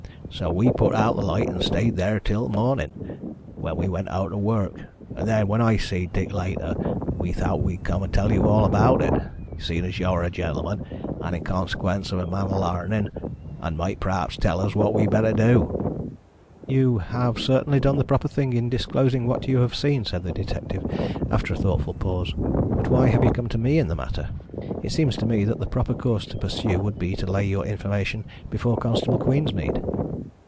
So we put out th' light and stayed theer till th' mornin', when we went out to work, and then when I seed Dick later we thowt we'd come and tell you all about it, seein' as yower a gentleman, and in consiquence a man of larnin', and might p'rhaps tell us what we'd better do." "You have certainly done the proper thing in disclosing what you have seen," said the detective, after a thoughtful pause. "But why have you come to me in the matter? It seems to me that the proper course to pursue would be to lay your information before Constable Queensmead."